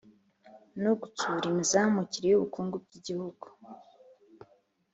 no gutsura imizamukire y’ubukungu bw’igihugu